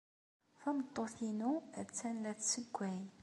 Tameṭṭut-inu attan la tessewway.